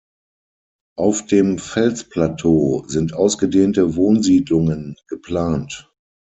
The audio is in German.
Auf dem Felsplateau sind ausgedehnte Wohnsiedlungen geplant.